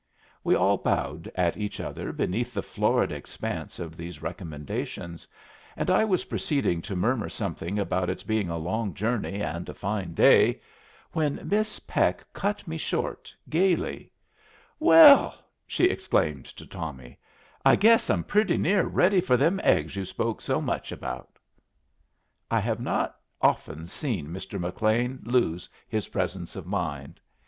We all bowed at each other beneath the florid expanse of these recommendations, and I was proceeding to murmur something about its being a long journey and a fine day when Miss Peck cut me short, gaily: "Well," she exclaimed to Tommy, "I guess I'm pretty near ready for them eggs you've spoke so much about." I have not often seen Mr. McLean lose his presence of mind.